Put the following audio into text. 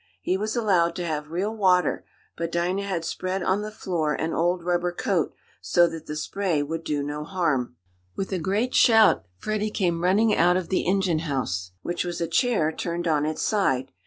He was allowed to have real water, but Dinah had spread on the floor an old rubber coat so that the spray would do no harm. With a great shout Freddie came running out of the "engine house," which was a chair turned on its side.